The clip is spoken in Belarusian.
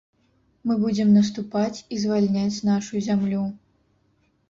Мы будзем наступаць і звальняць нашу зямлю.